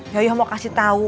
yoyo mau kasih tau